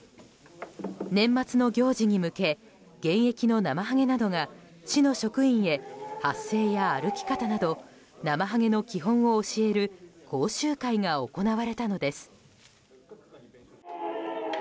年末の行事に向け現役のナマハゲなどが市の職員へ発声や歩き方などナマハゲの基本を教える講習会が行われたのです。